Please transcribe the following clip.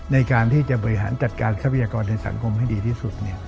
ในการที่จะบริหารจัดการทรัพยากรในสังคมให้ดีที่สุด